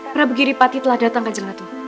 prabu giripati telah datang ke jenatun